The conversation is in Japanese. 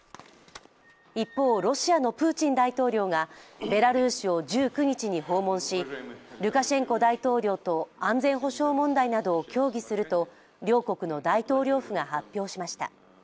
一方、ロシアのプーチン大統領がベラルーシを１９日に訪問し、ルカシェンコ大統領と安全保障問題などを協議すると両国の大統領府が発表しました。